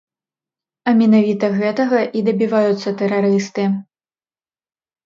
А менавіта гэтага і дабіваюцца тэрарысты.